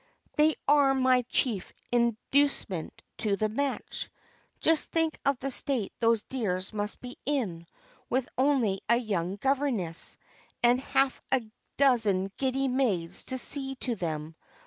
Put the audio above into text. "They are my chief inducement to the match. Just think of the state those dears must be in, with only a young governess, and half a dozen giddy maids to see to them.